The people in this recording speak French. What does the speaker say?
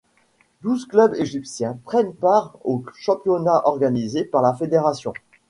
Douze clubs égyptiens prennent part au championnat organisé par la fédération.